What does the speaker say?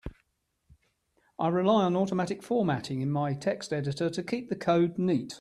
I rely on automatic formatting in my text editor to keep the code neat.